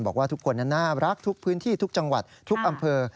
บอกว่าทุกคนนั้นน่ารักทุกพื้นที่ทุกจังหวัดทุกอำเภอ